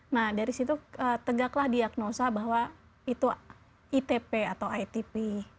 nah dari situ tegaklah diagnosa bahwa itu itp atau itp